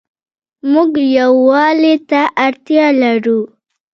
مونږ يووالي ته اړتيا لرو